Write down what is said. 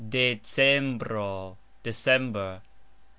Decembro : December.